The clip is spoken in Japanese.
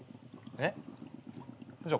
えっ！？